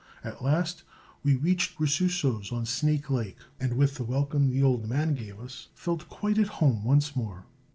At last we reached Rosiceau's, on Snake Lake, and, with the welcome the old man gave us, felt quite at home once more.